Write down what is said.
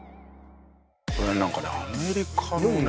これなんかアメリカのね。